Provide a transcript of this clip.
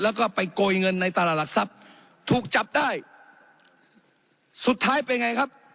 แล้วก็ไปโกยเงินในตลาดหลักทรัพย์ถูกจับได้สุดท้ายเป็นไงครับ